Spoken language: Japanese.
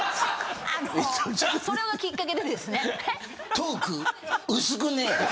あのそれがきっかけでですね。